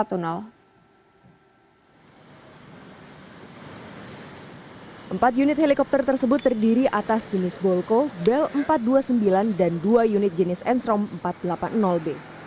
empat unit helikopter tersebut terdiri atas jenis bolko bel empat ratus dua puluh sembilan dan dua unit jenis enstrom empat ratus delapan puluh b